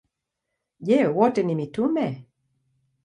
Je, wote ni mitume?